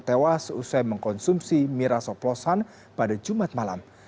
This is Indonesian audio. tewas usai mengkonsumsi miras oplosan pada jumat malam